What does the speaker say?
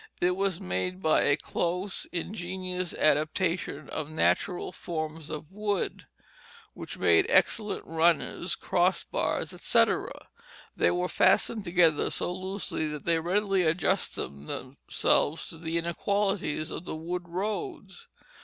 It was made by a close and ingenious adaptation of natural forms of wood, which made excellent runners, cross bars, etc.; they were fastened together so loosely that they readily adjusted themselves to the inequalities of the wood roads.